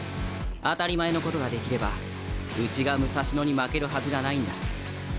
当たり前のことができればうちが武蔵野に負けるはずがないんだ。